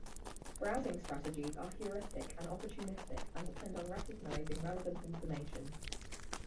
Browsing strategies are heuristic and opportunistic and depend on recognizing relevant information.